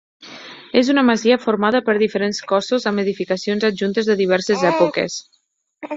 És una masia formada per diferents cossos amb edificacions adjuntes de diverses èpoques.